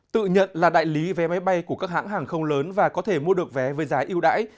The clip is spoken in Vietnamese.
tự nhận là đại lý vé máy bay của các hãng hàng không lớn và có thể mua được vé với giá yêu đãi